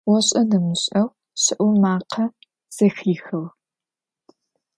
ОшӀэ-дэмышӀэу щэӀу макъэ зэхихыгъ.